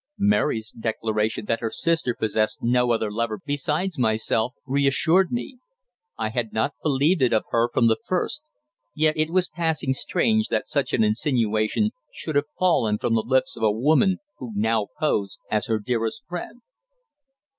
Mary's declaration that her sister possessed no other lover besides myself reassured me. I had not believed it of her from the first; yet it was passing strange that such an insinuation should have fallen from the lips of a woman who now posed as her dearest friend.